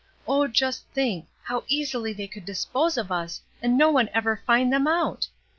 Oh, just think ! how easily they could dispose of us and no one ever find them out